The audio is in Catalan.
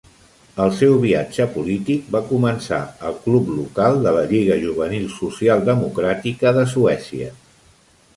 El seu viatge polític va començar al club local de la Lliga Juvenil Socialdemocràtica de Suècia.